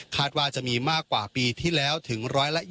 ว่าจะมีมากกว่าปีที่แล้วถึง๑๒๐